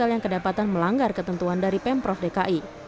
yang kedapatan melanggar ketentuan dari pemprov dki